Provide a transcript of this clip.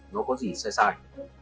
nó có gì sai sai